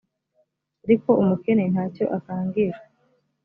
ariko umukene nta cyo akangishwa